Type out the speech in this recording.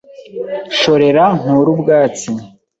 Shorera nkure ubwatsi